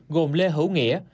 gồm lê hữu nghĩa